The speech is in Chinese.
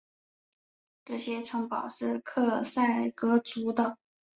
这些城堡是克塞格族的。